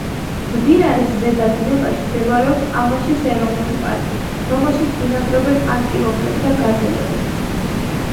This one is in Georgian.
მდინარის ზედა დინებაში მდებარეობს ავაშის ეროვნული პარკი, რომელშიც ბინადრობენ ანტილოპები და გაზელები.